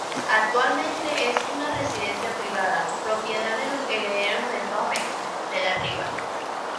Actualmente es una residencia privada, propiedad de los herederos de Domecq de la Riva.